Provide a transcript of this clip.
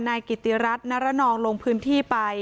กิติรัฐนรนองลงพื้นที่ไป